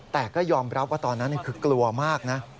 แต่ก็ยอมรับว่าตอนนั้นคือกลัวมากนะ